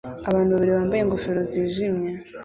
Abantu babiri bambaye ingofero zijimye